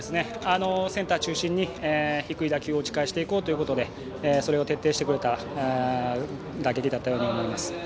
センター中心に低い打球を打ち返していこうということでそれを徹底してくれた打撃だったように思います。